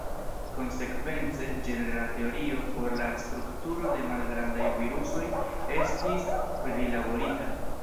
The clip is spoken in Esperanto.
Konsekvence, ĝenerala teorio por la strukturo de malgrandaj virusoj estis prilaborita.